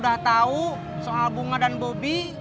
udah tahu soal bunga dan bobi